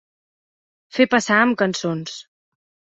Fer passar amb cançons.